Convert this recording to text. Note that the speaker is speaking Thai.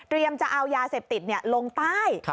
เรียมจะเอายาเสพติดลงใต้